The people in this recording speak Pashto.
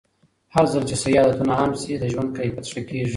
هرځل چې صحي عادتونه عام شي، د ژوند کیفیت ښه کېږي.